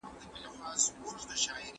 موږ ئې یوازي د معاصري پيړیو ته لنډه کتنه کوو.